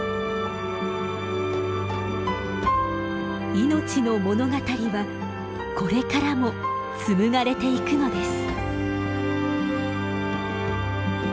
命の物語はこれからも紡がれていくのです。